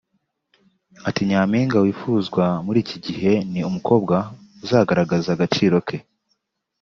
Ati "Nyampinga wifuzwa muri iki gihe ni umukobwa uzagaragaza agaciro ke